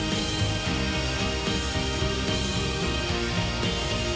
อลิซจะไปทำฝ่ายแล้ว